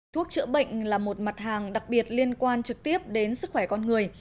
thuốc chữa bệnh là một mặt hàng đặc biệt liên quan trực tiếp đến sức khỏe con người